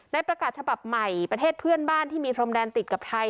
ประกาศฉบับใหม่ประเทศเพื่อนบ้านที่มีพรมแดนติดกับไทย